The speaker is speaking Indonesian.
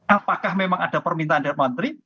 apakah memang ada permintaan dari menteri